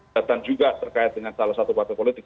datang juga terkait dengan salah satu partai politik